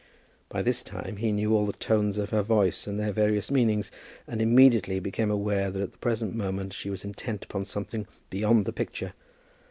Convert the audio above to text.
By this time he knew all the tones of her voice and their various meanings, and immediately became aware that at the present moment she was intent upon something beyond the picture.